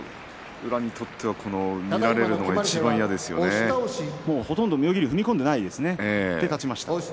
宇良にとっては見られるのがもうほとんど妙義龍踏み込んでいないですよね。